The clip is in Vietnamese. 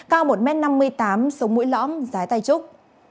cao một m năm mươi tám sống mũi lõm dài tai trúc